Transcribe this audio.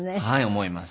思います。